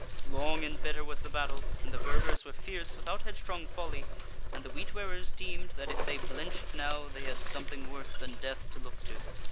"Long and bitter was the battle, and the Burgers were fierce without head strong folly, and the Wheat wearers deemed that if they blenched now, they had something worse than death to look to.